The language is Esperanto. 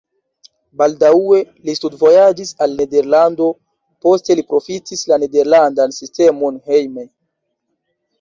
Baldaŭe li studvojaĝis al Nederlando, poste li profitis la nederlandan sistemon hejme.